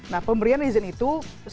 nah pemberian izin itu